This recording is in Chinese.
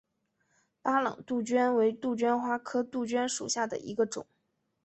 巴朗杜鹃为杜鹃花科杜鹃属下的一个种。